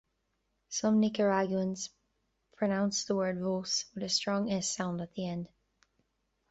Some Nicaraguans pronounce the word "vos" with a strong "s" sound at the end.